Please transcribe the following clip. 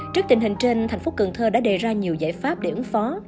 trước tình hình trên thành phố cần thơ đã đề ra nhiều giải pháp để ứng phó